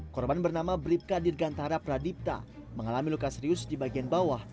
korban bernama bribka dirgantara pradipta mengalami luka serius di bagian bawah